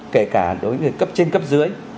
kể cả đối với cấp trên cấp dưới